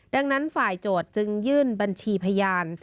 ดังนั้นฝ่ายโจทย์จึงยื่นบัญชีพยาน